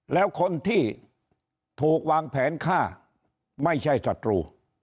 แล้วคนที่ถูกวางแผนฆ่าไม่ใช่ศัตรู